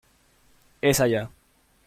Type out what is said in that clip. És allà.